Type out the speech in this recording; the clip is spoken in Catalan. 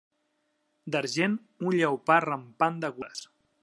D'argent, un lleopard rampant de gules.